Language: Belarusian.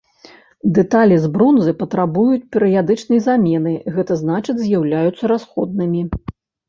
Дэталі з бронзы патрабуюць перыядычнай замены, гэта значыць з'яўляюцца расходнымі.